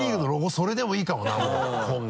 それでもいいかもなもう今後。